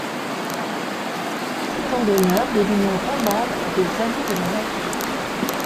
Il était président d’honneur de l’Union romande des amis de la nature.